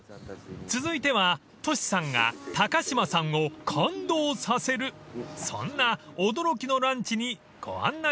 ［続いてはトシさんが高島さんを感動させるそんな驚きのランチにご案内します］